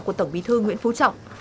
của tổng bí thư nguyễn phú trọng